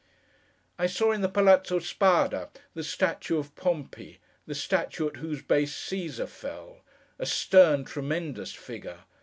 I saw in the Palazzo Spada, the statue of Pompey; the statue at whose base Cæsar fell. A stern, tremendous figure!